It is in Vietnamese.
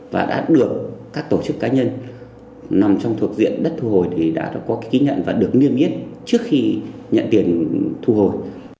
và đã được các tổ chức cá nhân nằm trong thuộc diện đất thu hồi thì đã có ký nhận và được nghiêm yết trước khi nhận tiền thu hồi